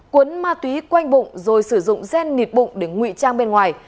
cuốn ma túy quanh bụng rồi sử dụng gen mịt bụng để ngụy trang bên ngoài